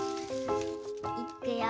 いっくよ。